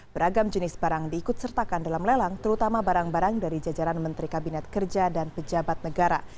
beragam jenis barang diikut sertakan dalam lelang terutama barang barang dari jajaran menteri kabinet kerja dan pejabat negara